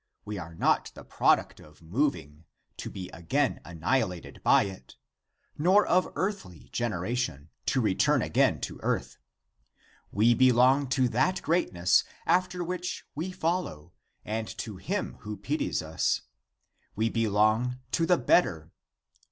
We are not the product of moving, to be again annihilated by it, nor of earthly generation, to return again (to earth). We belong to that greatness after which we follow, and to him who pities us. We belong to the better.